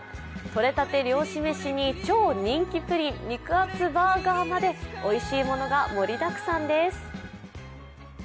取れたて漁師メシに超人気プリン肉厚バーガーまで、おいしいものが盛りだくさんです。